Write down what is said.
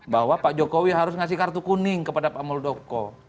bahwa pak jokowi harus ngasih kartu kuning kepada pak muldoko